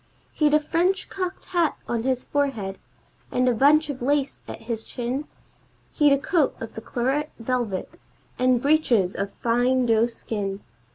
He'd a French cocked hat on his forehead, and a bunch of lace at his chin; He'd a coat of the claret velvet, and breeches of fine doe skin.